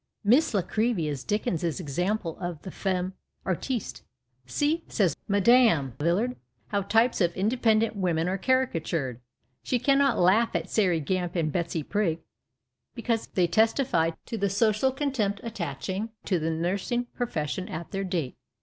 Miss La Creevy is Dickens's example of ihc femme artiste. See, says Mme. Villard, how types of " indepen dent women " are caricatured ! She cannot laugh at Sairey Gamp and Betsy Prig, because they testify to the social contempt attaching to the nursing profession at their date